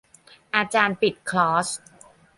อาจารย์ปิดคอร์ส